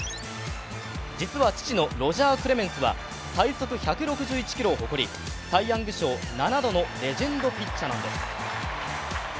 実は、父のロジャー・クレメンスは最速１６１キロを誇りサイ・ヤング賞７度のレジェンドピッチャーなんです。